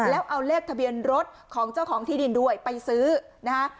แล้วเอาเลขทะเบียนรถของเจ้าของที่ดินด้วยไปซื้อนะฮะ